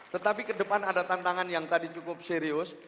tetapi ke depan ada tantangan yang tadi cukup serius